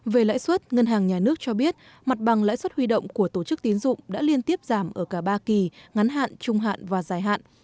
về lãi suất ngân hàng nhà nước cho biết mặt bằng lãi suất huy động của tổ chức tín dụng đã liên tiếp giảm ở cả ba kỳ ngắn hạn trung hạn và dài hạn